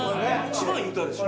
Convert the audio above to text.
一番いい歌でしょ。